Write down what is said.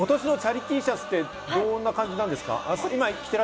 水卜さん、ことしのチャリＴシャツって、どんな感じなんですか？